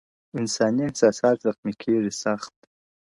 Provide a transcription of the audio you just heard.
انساني احساسات زخمي کيږي سخت,